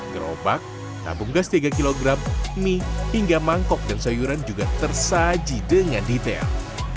gerobak tabung gas tiga kg mie hingga mangkok dan sayuran juga tersaji dengan detail